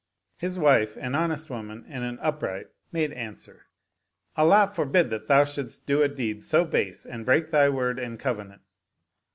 His wife, an honest woman and an upright, made answer, "Allah forbid that thou shouldst do a deed so base and break thy word and covenant.